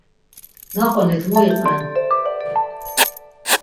Naqonit mu iqven.